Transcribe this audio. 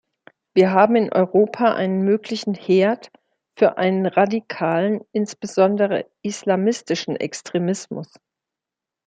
Wir haben in Europa einen möglichen Herd für einen radikalen, insbesondere islamistischen Extremismus.